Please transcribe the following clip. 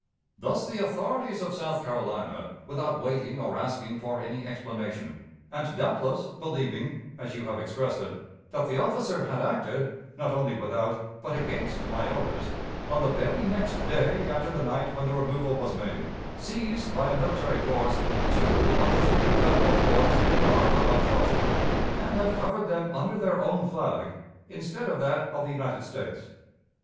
Thus the authorities of South Carolina, without waiting or asking for any explanation, and doubtless believing, as you have expressed it, that the officer had acted not only without, but against my orders, on the very next day after the night when the removal was made, seized, by a military force, two of the three Federal forts in the harbor of Charleston, and have covered them under their own flag, instead of that of the United States.